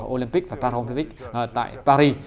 olympic và paralympic tại paris